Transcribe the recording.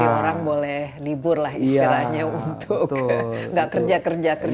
jadi orang boleh libur lah istirahatnya untuk nggak kerja kerja terus